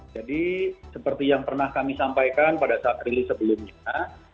jadi seperti yang pernah kami sampaikan pada saat rilis sebelumnya